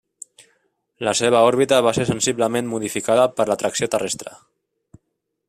La seva òrbita va ser sensiblement modificada per l'atracció terrestre.